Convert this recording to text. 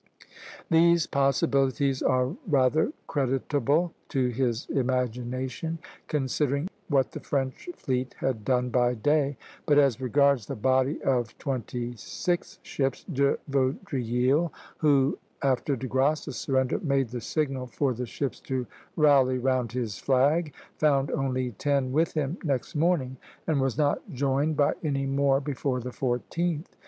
" These possibilities are rather creditable to his imagination, considering what the French fleet had done by day; but as regards the body of twenty six ships, De Vaudreuil, who, after De Grasse's surrender, made the signal for the ships to rally round his flag, found only ten with him next morning, and was not joined by any more before the 14th.